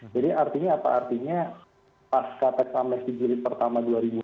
jadi apa artinya pasca tax amnesty jilid pertama dua ribu dua puluh